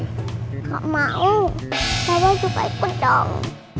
nggak mau papa juga ikut dong